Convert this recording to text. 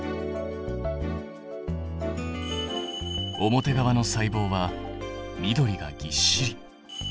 表側の細胞は緑がぎっしり。